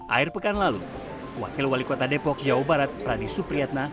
akhir pekan lalu wakil wali kota depok jawa barat pradi supriyatna